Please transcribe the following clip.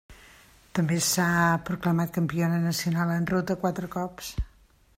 També s'ha proclamat campiona nacional en ruta quatre cops.